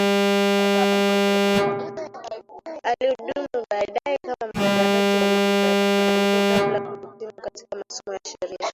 Alihudumu baadae kama mwanaharakati wa mambo ya kijamii kabla kuhitimu katika masomo ya sheria